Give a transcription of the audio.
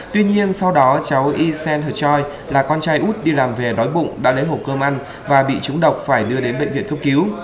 tuy nhiên sau đó cháu y sen hờ choi là con trai út đi làm về đói bụng đã lấy hộp cơm ăn và bị trúng độc phải đưa đến bệnh viện cấp cứu